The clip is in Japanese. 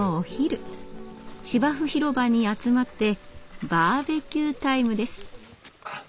芝生広場に集まってバーベキュータイムです。